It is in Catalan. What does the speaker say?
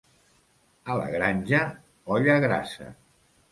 A la Granja, olla grassa.